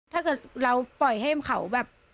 ถ้าเกิดเราปล่อยให้เขาแบบ